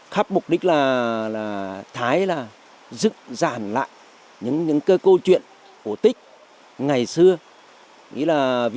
khắp của người thái ở huyện lang chánh dù là truyền thống hay ứng tác